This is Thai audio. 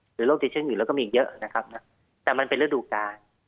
หรือโรคติดเชื้ออยู่แล้วก็มีอีกเยอะนะครับแต่มันเป็นฤดูกา